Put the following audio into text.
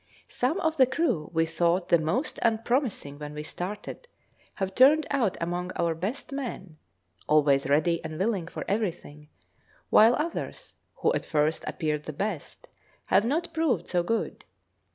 Some of the crew we thought the most unpromising when we started, have turned out among our best men, always ready and willing for everything, while others, who at first appeared the best, have not proved so good.